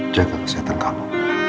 jaga kesehatan kamu